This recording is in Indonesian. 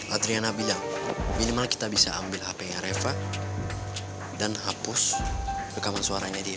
adriana bilang minimal kita bisa ambil hp areva dan hapus rekaman suaranya dia